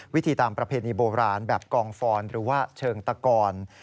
วิธีตามประเพณีโบราณแบบกองฟอนหรือว่าเชิงตะกร